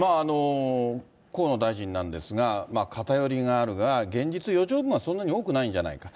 河野大臣なんですが、偏りがあるが現実、余剰分はそんなに多くないんじゃないかと。